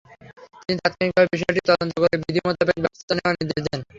তিনি তাৎক্ষণিকভাবে বিষয়টি তদন্ত করে বিধি মোতাবেক ব্যবস্থা নেওয়ার নির্দেশ দেন।